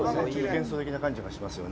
幻想的な感じがしますね。